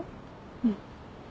うん。